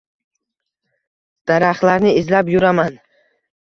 Daraxtlarni izlab yuraman.